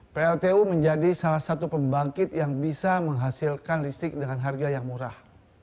pltu menjadi salah satu pembangkit yang bisa menghasilkan listrik dengan harga yang murah